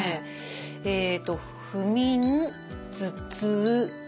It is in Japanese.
えっと「不眠」「頭痛」「めまい」。